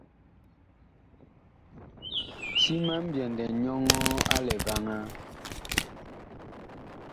Ti ma ŋmbyɛndɛ nyɔŋɔɔ a lɛ vaŋaa.